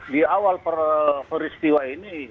di awal peristiwa ini